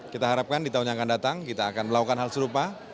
kita harapkan di tahun yang akan datang kita akan melakukan hal serupa